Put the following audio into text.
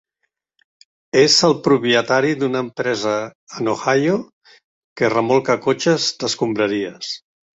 És el propietari d'una empresa en Ohio que remolca cotxes d'escombraries.